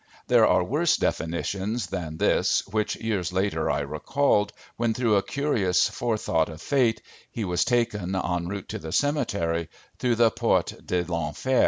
There are worse definitions than this which years later I recalled when, through a curious forethought of fate, he was taken, en route to the cemetery, through the Porte de l'Enfer.